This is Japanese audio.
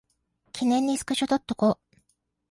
記念にスクショ撮っとこ